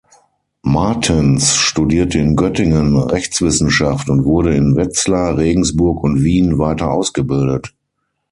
Martens studierte in Göttingen Rechtswissenschaft und wurde in Wetzlar, Regensburg und Wien weiter ausgebildet.